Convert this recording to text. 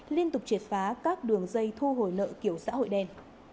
liên tục triệt phá các đường dây thu hồi nợ kiểu xã hội đen